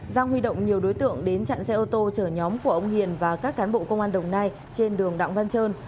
giang huy động nhiều đối tượng đến chặn xe ô tô chở nhóm của ông hiền và các cán bộ công an đồng nai trên đường đặng văn trơn